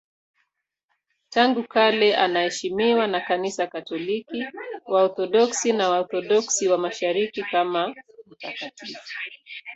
Tangu kale anaheshimiwa na Kanisa Katoliki, Waorthodoksi na Waorthodoksi wa Mashariki kama mtakatifu.